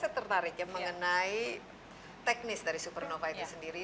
saya tertarik ya mengenai teknis dari supernova itu sendiri